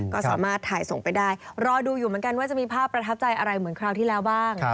ก็สามารถถ่ายส่งไปได้รอดูอยู่เหมือนกันว่าจะมีภาพประทับใจอะไรเหมือนคราวที่แล้วบ้าง